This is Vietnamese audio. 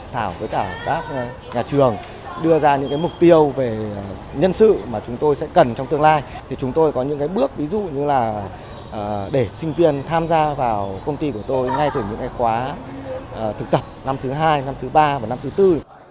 thảo với cả các nhà trường đưa ra những mục tiêu về nhân sự mà chúng tôi sẽ cần trong tương lai thì chúng tôi có những bước ví dụ như là để sinh viên tham gia vào công ty của tôi ngay từ những khóa thực tập năm thứ hai năm thứ ba và năm thứ tư